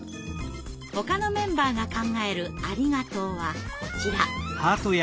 ほかのメンバーが考える「ありがとう」はこちら。